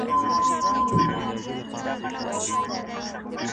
• جنونه اوس مي پښو ته زولنې لرې که نه,